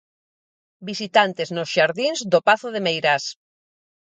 Visitantes nos xardíns do pazo de Meirás.